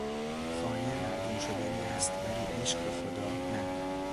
خانه معدوم شدنی است ولی عشق به خدا نه.